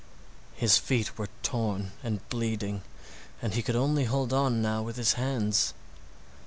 His feet were torn and bleeding, and he could only hold on now with his hands.